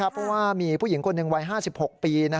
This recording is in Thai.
เพราะว่ามีผู้หญิงคนหนึ่งวัย๕๖ปี